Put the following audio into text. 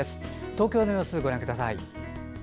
東京の様子、ご覧ください。